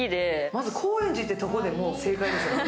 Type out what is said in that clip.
まず高円寺ってとこでもう正解ですよね。